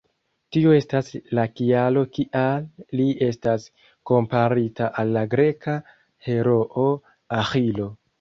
Tio estas la kialo kial li estas komparita al la greka heroo Aĥilo.